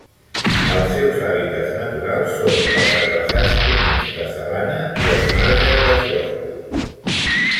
Els seus hàbitats naturals són els herbassars humits de sabana i els marges dels boscos.